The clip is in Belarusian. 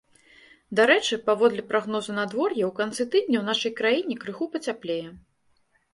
Дарэчы, паводле прагнозу надвор'я, у канцы тыдня ў нашай краіне крыху пацяплее.